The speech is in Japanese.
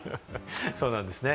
そうなんですね。